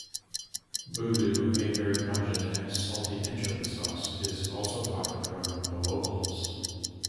"Budu", a very pungent and salty anchovy sauce is also popular among the locals.